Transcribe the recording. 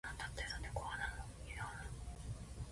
あなたってさ、猫派なの。犬派なの。